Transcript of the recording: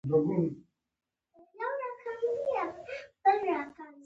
پنېر کله کله تریو وي.